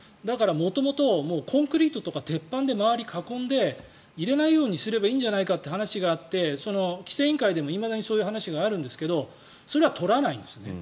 だから元々、コンクリートとか鉄板で周りを囲んで入れないようにすればいいんじゃないかという話があって規制委員会でも、いまだにそういう話があるんですがそれは取らないんですね。